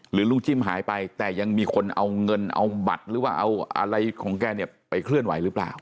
ลุงจิ้มหายไปแต่ยังมีคนเอาเงินเอาบัตรหรือว่าเอาอะไรของแกเนี่ยไปเคลื่อนไหวหรือเปล่า